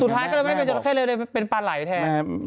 สุดท้ายก็เลยไม่ได้เป็นจราเข้เลยเป็นปลาไหลแทน